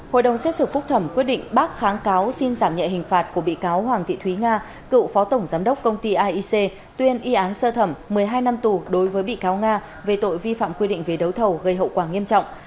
hội đồng xét xử phúc thẩm quyết định bác kháng cáo xin giảm nhẹ hình phạt của bị cáo hoàng thị thúy nga cựu phó tổng giám đốc công ty aic tuyên y án sơ thẩm một mươi hai năm tù đối với bị cáo nga về tội vi phạm quy định về đấu thầu gây hậu quả nghiêm trọng